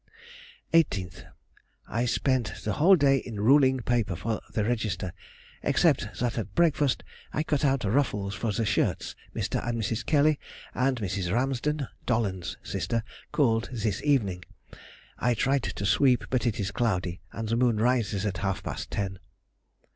18th.—I spent the whole day in ruling paper for the register; except that at breakfast I cut out ruffles for shirts. Mr. and Mrs. Kelly and Mrs. Ramsden (Dollond's sister) called this evening. I tried to sweep, but it is cloudy, and the moon rises at half past ten.